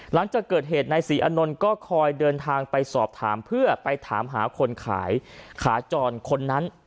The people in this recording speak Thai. หลังจากเกิดเหตุนายศรีอานนท์ก็คอยเดินทางไปสอบถามเพื่อไปถามหาคนขายขาจรคนนั้น